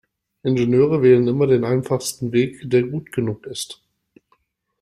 Ingenieure wählen immer den einfachsten Weg, der gut genug ist.